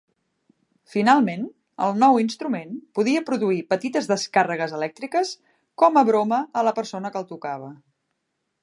Finalment, el nou instrument podia produir petites descàrregues elèctriques com a broma a la persona que el tocava.